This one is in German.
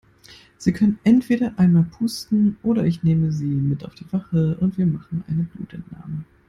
Sie können entweder einmal pusten oder ich nehme Sie mit auf die Wache und wir machen eine Blutentnahme.